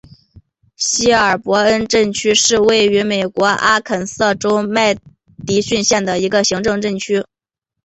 希尔伯恩镇区是位于美国阿肯色州麦迪逊县的一个行政镇区。